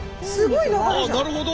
ああなるほど。